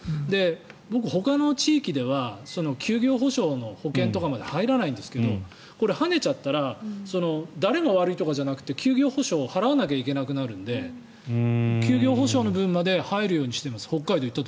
僕、ほかの地域では休業補償の保険まで入らないんですけどこれ、はねちゃったら誰が悪いとかじゃなくて休業補償を払わなきゃいけないので休業補償の分まで入るようにしています。